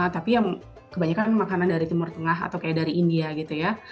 tapi yang kebanyakan makanan dari timur tengah atau kayak dari india gitu ya